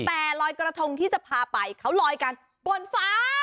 แต่ลอยกระทงที่จะพาไปเขาลอยกันปวนฟ้า